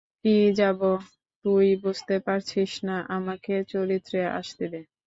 কী যাব, তুই বুঝতে পারছিস না, আমাকে চরিত্রে আসতে দে।